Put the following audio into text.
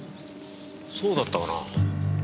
そうだったかな。